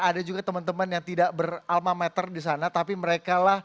ada juga teman teman yang tidak beralma meter di sana